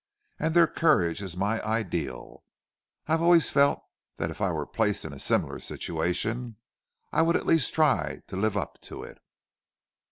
And their courage is my ideal. I have always felt that if I were placed in a similar situation I would at least try to live up to it."